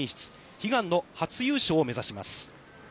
悲願の初優勝を目指します。